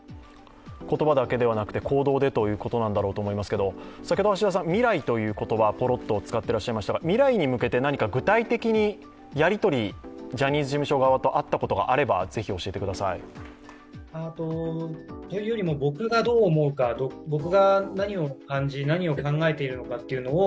言葉だけではなくて行動でということだろうと思いますが、未来という言葉、ぽろっと使っていらっしゃいましたが、未来に向けて何か具体的にやりとり、ジャニーズ事務所側とあったことがあればぜひ教えてください。というよりも僕がどう思うか、僕が何を感じ何を考えているのかを